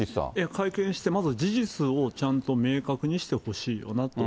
会見して、まず事実をちゃんと明確にしてほしいよなと。